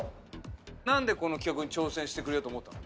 なんでこの企画に挑戦してくれようと思ったの？